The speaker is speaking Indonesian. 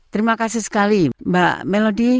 terima kasih sekali mbak melodi